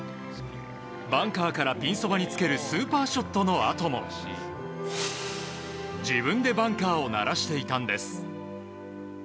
バンカーからピンそばにつけるスーパーショットのあとも自分でバンカーをならしていたんです。